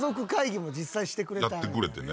やってくれてね。